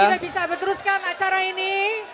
kita bisa meneruskan acara ini